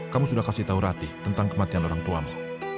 kamu sudah kasih tahu ratih tentang kematian orang tuamu